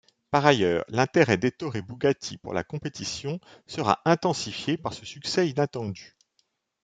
Par ailleurs, l’intérêt d’Ettore Bugatti pour la compétition sera intensifié par ce succès inattendu.